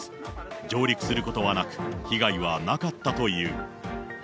上陸することはなく、被害はなかったという。